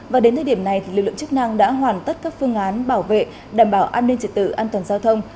và đến thời điểm này lực lượng chức năng đã hoàn tất các phương án bảo vệ đảm bảo an ninh trật tự an toàn giao thông